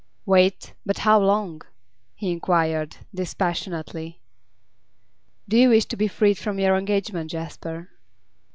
'Wait? But how long?' he inquired, dispassionately. 'Do you wish to be freed from your engagement, Jasper?